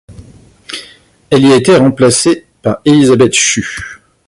Elle y a été remplacée par Elisabeth Shue.